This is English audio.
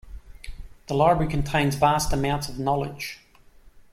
The library contains vast amounts of knowledge.